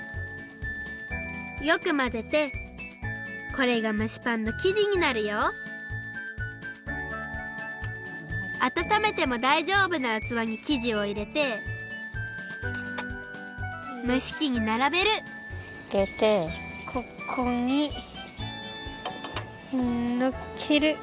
よくまぜてこれがむしパンのきじになるよあたためてもだいじょうぶなうつわにきじをいれてむしきにならべるここにのっける。